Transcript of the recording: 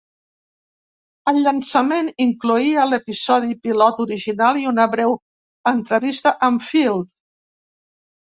El llançament incloïa l"episodi pilot original i una breu entrevista amb Field.